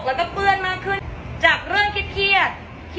จากเรื่องที่เครื่องเหอะเกิดขึ้น